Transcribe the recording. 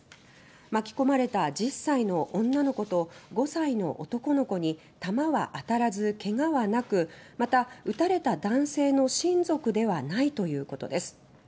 巻き込まれた１０歳の女の子と５歳の男の子に弾はあたらず怪我はなくまた、撃たれた男性の親族ではないということです。